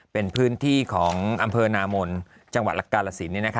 เป็นพื้นที่ของอำเภอนามนจังหวัดกาลสิน